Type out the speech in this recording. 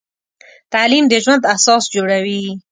تعلیم د ژوند اساس جوړوي.